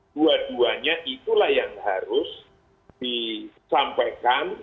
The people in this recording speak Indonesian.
dua duanya itulah yang harus disampaikan